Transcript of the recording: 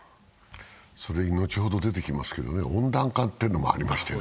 それに後ほど出てきますけど温暖化というのもありましてね。